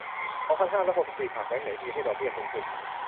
สองพันห้าร้อยหกสิบสี่ ฝากแบงก์ไหนดี ให้ดอกเบี้ยสูงสุด